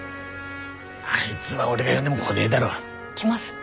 あいづは俺が呼んでも来ねえだろ。来ます。